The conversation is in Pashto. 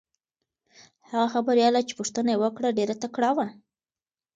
هغه خبریاله چې پوښتنه یې وکړه ډېره تکړه وه.